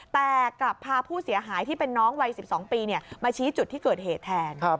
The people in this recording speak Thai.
แต่กลับพาผู้เสียหายที่เป็นน้องวัย๑๒ปีมาชี้จุดที่เกิดเหตุแทน